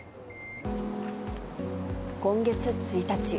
今月１日。